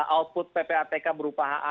output ppatk berupa ha